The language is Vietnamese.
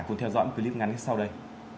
cùng theo dõi một clip ngắn sau đây